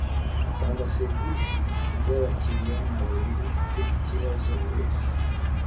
atanga serivisi z ‘abakiriya na buri ufite icyibazo wese.